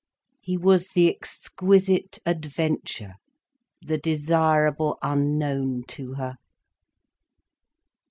He was the exquisite adventure, the desirable unknown to her.